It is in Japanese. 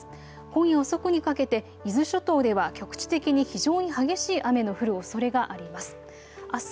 今夜遅くにかけて伊豆諸島では局地的に非常に激しい雨の降るおそれがあります。